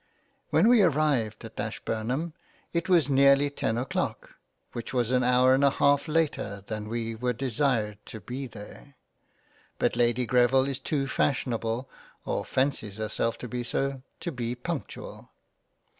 — When we arrived at Ashburnham, it was nearly ten o'clock, which was an hour and a half later than we were desired to be there ; but Lady Greville is too fashionable (or fancies herself to be so) to be punctual.